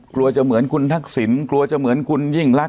กลัวจะเหมือนคุณทักษิณกลัวจะเหมือนคุณยิ่งรัก